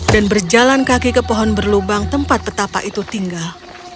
dan berjalan kaki ke pohon berlubang tempat petapa itu tinggal